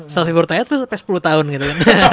self reward thr terus sampai sepuluh tahun gitu